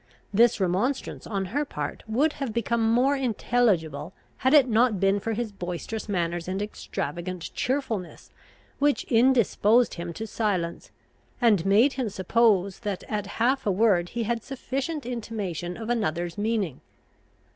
This remonstrance on her part would have become more intelligible, had it not been for his boisterous manners and extravagant cheerfulness, which indisposed him to silence, and made him suppose that at half a word he had sufficient intimation of another's meaning.